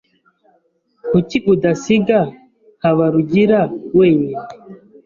Kuki udasiga Habarugira wenyine?